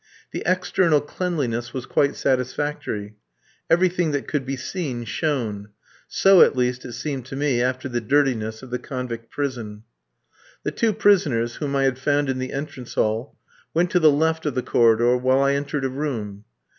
The external cleanliness was quite satisfactory. Everything that could be seen shone; so, at least, it seemed to me, after the dirtiness of the convict prison. The two prisoners, whom I had found in the entrance hall, went to the left of the corridor, while I entered a room.